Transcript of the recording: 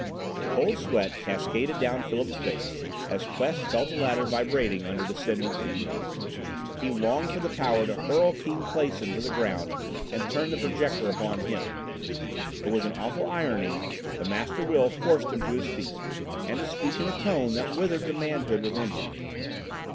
Cold sweat cascaded down Philip's face as Quest felt the ladder vibrating under descending feet. He longed for the power to hurl Keane Clason to the ground and turn the Projector upon him. But with an awful irony the Master Will forced him to his feet, and to speak in a tone that withered the manhood within him.